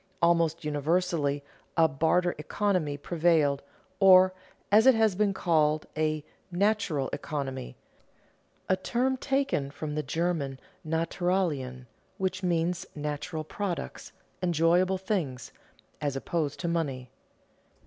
Almost universally a "barter economy" prevailed, or, as it has been called, a "natural economy," a term taken from the German "Naturalien," which means natural products, enjoyable things, as opposed to money.